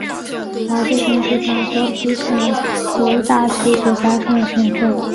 瓦兹省是法国皮卡迪大区所辖的省份。